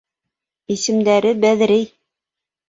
Исемдәре Бәҙерей.